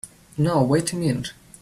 Now wait a minute!